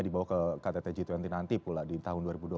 dibawa ke kttg dua puluh nanti pula di tahun dua ribu dua puluh